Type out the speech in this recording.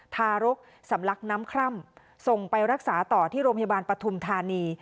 ทารกสำลักน้ำคร่ำส่งไปรักษาต่อที่โรงพยาบาลปฐุมธานี